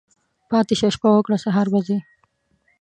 پاتی شه، شپه وکړه ، سهار به ځی.